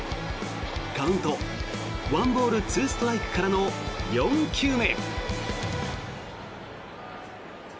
カウント１ボール２ストライクからの４球目。